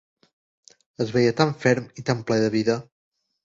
Es veia tan ferm, i tan ple de vida.